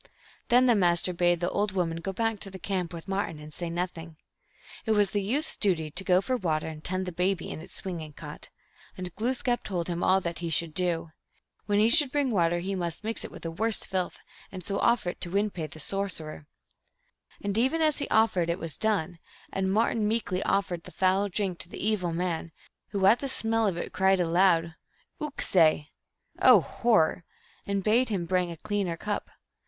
Then the Master bade the old woman go back to the camp with Martin, and say nothing. It was the youth s duty to go for water and tend the baby in its swinging cot. And Glooskap told him all that he should do. AVhen he should bring water he must mix with it the worst filth, and so offer it to Win pe, the sorcerer. And even as he ordered it was done, and Martin meekly offered the foul drink to the evil man, who at the smell of it cried aloud, " Uk say !" (M., Oh, hor ror !) and bade him bring a cleaner cup.